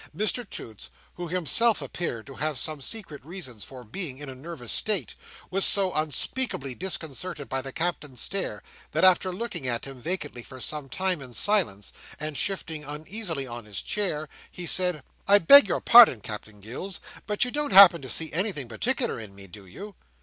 Mr Toots, who himself appeared to have some secret reasons for being in a nervous state, was so unspeakably disconcerted by the Captain's stare, that after looking at him vacantly for some time in silence, and shifting uneasily on his chair, he said: "I beg your pardon, Captain Gills, but you don't happen to see anything particular in me, do you?"